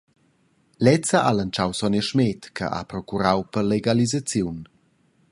Lezza ha lantschau Sonja Schmed che ha procurau per l’egalisaziun.